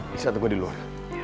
bisa tunggu di luar